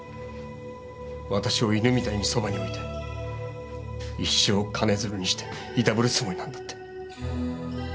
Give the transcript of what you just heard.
私を犬みたいにそばに置いて一生金づるにしていたぶるつもりなんだって。